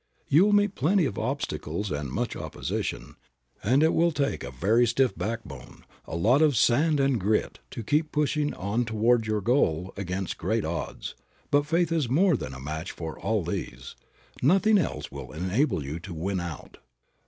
You will meet plenty of obstacles and much opposition, and it will take a very stiff backbone, a lot of sand and grit to keep pushing on towards your goal against great odds, but faith is more than a match for all these. Nothing else will enable you to win out.